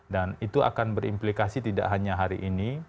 dan itu akan berimplikasi tidak hanya hari ini